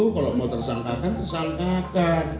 kalau mau tersangkakan tersangkakan